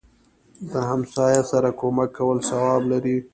دهمسایه سره کومک کول ثواب لري